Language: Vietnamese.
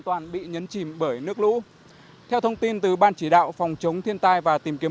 toàn bị nhấn chìm bởi nước lũ theo thông tin từ ban chỉ đạo phòng chống thiên tai và tìm kiếm